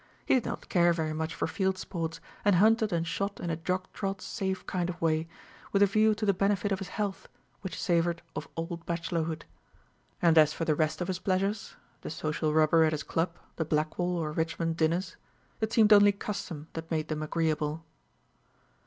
He did not care very much for field sports, and hunted and shot in a jog trot safe kind of way, with a view to the benefit of his health, which savoured of old bachelorhood. And as for the rest of his pleasures the social rubber at his club, the Blackwall or Richmond dinners it seemed only custom that made them agreeable.